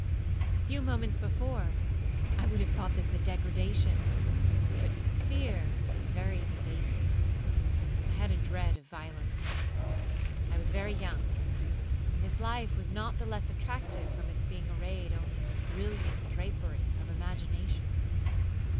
A few moments before I would have thought this a degradation, but fear is very debasing. I had a dread of violent means,—I was very young, and life was not the less attractive from its being arrayed only in the brilliant drapery of imagination.